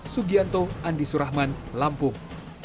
sugianto andi surahman lampung